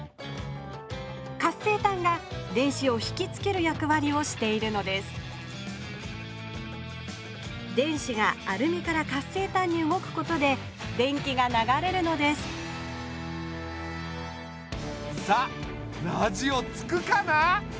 活性炭が電子をひきつけるやくわりをしているのです電子がアルミから活性炭に動くことで電気が流れるのですさあラジオつくかな？